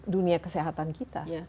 dunia kesehatan kita